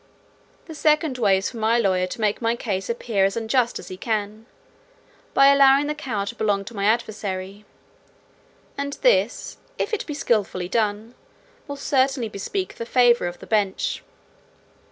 The second way is for my lawyer to make my cause appear as unjust as he can, by allowing the cow to belong to my adversary: and this, if it be skilfully done, will certainly bespeak the favour of the bench.